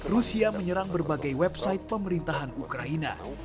rusia menyerang berbagai website pemerintahan ukraina